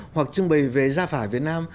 hoặc trưng bày về gia phả việt nam